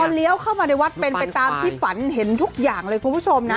เลี้ยวเข้ามาในวัดเป็นไปตามที่ฝันเห็นทุกอย่างเลยคุณผู้ชมนะ